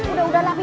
udah udah lah pi